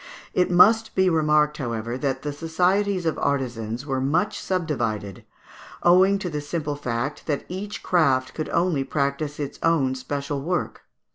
It must be remarked, however, that the societies of artisans were much subdivided owing to the simple fact that each craft could only practise its own special work.